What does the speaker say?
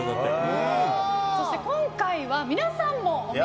そして今回は皆さんも最高！